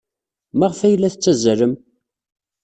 Maɣef ay la tettazzalem?